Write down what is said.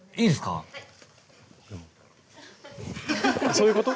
そういうこと？